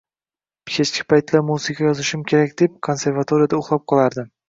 Kechki paytlar musiqa yozishim kerak deb, konservatoriyada uxlab qolardim.